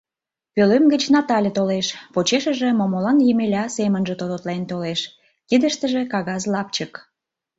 Пӧлем гыч Натале толеш, почешыже Момолан Емеля семынже тототлен толеш, кидыштыже кагаз лапчык.